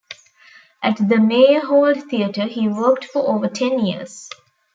At the Meyerhold Theatre he worked for over ten years.